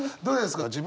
どうですか？